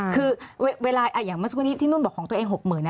คือเวลาอย่างเมื่อสักครู่นี้ที่นุ่นบอกของตัวเอง๖๐๐๐